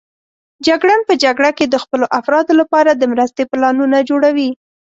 جګړن په جګړه کې د خپلو افرادو لپاره د مرستې پلانونه جوړوي.